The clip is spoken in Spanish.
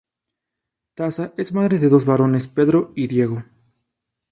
Tasa es madre de dos varones: Pedro y Diego.